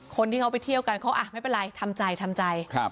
คนที่เขาไปเที่ยวกันเขาอ่ะไม่เป็นไรทำใจทำใจ